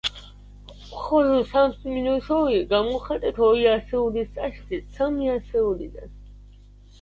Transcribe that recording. ხოლო, სამს მინუს ორი გამოვხატეთ ორი ასეულის წაშლით სამი ასეულიდან.